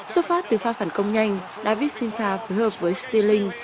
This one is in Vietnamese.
xuất phát từ pha phản công nhanh david sinfa phối hợp với stirling